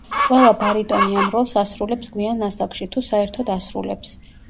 ყველა ბარიტონი ამ როლს ასრულებს გვიან ასაკში, თუ საერთოდ ასრულებს.